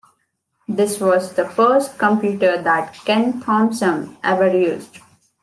This was the first computer that Ken Thompson ever used.